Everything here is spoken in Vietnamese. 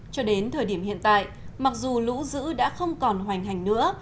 cho đến thời điểm hiện tại mặc dù lũ dữ đã không còn hoành hành nữa